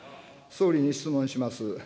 総理に質問します。